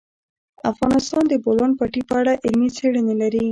افغانستان د د بولان پټي په اړه علمي څېړنې لري.